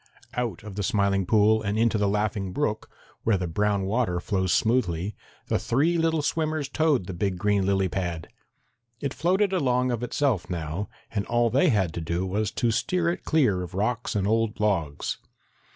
Out of the Smiling Pool and into the Laughing Brook, where the brown water flows smoothly, the three little swimmers towed the big green lily pad. It floated along of itself now, and all they had to do was to steer it clear of rocks and old logs.